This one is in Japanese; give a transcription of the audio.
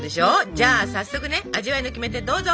じゃあ早速ね味わいのキメテどうぞ！